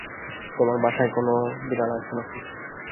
তোমাদের বাসায় কোনো বিড়াল আছে নাকি?